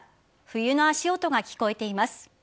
冬の足音が聞こえています。